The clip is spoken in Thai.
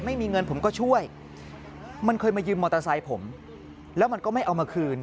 ไม่มีเงินผมก็ช่วยมันเคยมายืมมอเตอร์ไซค์ผมแล้วมันก็ไม่เอามาคืน